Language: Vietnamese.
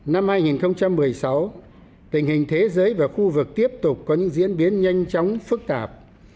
năm hai nghìn một mươi sáu tình hình thế giới và khu vực tiếp tục có những diễn biến nhanh chóng phức tạp